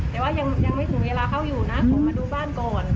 แต่ว่ายังไม่ถึงเวลาเข้าอยู่นะขอมาดูบ้านก่อน